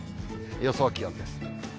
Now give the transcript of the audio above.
予想気温です。